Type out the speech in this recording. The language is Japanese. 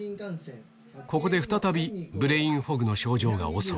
ここで再び、ブレインフォグの症状が襲う。